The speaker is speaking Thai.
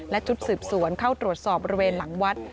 และชุดสืบสวนเข้าตรวจสอบบริเวณหลังวัด